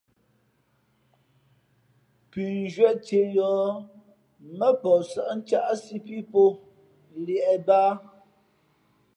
Pʉ̌nzhwē cēh yōh mά pαh sάʼ ncáʼsí pí pαhǒ liēʼ bāā.